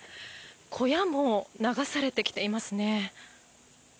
小屋も流されてきていますね。